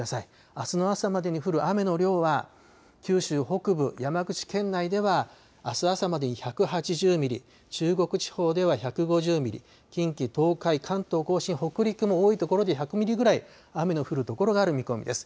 あすの朝までに降る雨の量は九州北部、山口県内ではあす朝までに１８０ミリ、中国地方では１５０ミリ、近畿、東海、関東甲信、北陸も多いところで１００ミリぐらい雨の降る所がある見込みです。